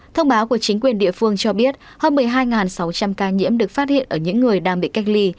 thông báo của chính quyền địa phương cho biết hơn một mươi hai sáu trăm linh ca nhiễm được phát hiện ở những người đang bị cách ly